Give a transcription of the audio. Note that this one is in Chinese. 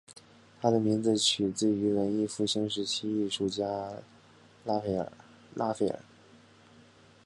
他的名字取自于文艺复兴时期艺术家拉斐尔。